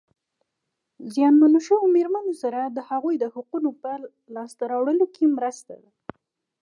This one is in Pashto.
زیانمنو شویو مېرمنو سره د هغوی د حقوقو په لاسته راوړلو کې مرسته ده.